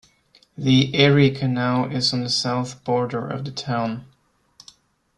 The Erie Canal is on the south border of the town.